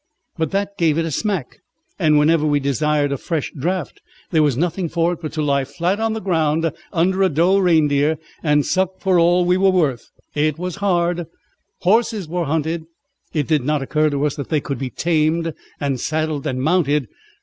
But that gave it a smack, and whenever we desired a fresh draught there was nothing for it but to lie flat on the ground under a doe reindeer and suck for all we were worth. It was hard. Horses were hunted. It did not occur to us that they could be tamed and saddled and mounted.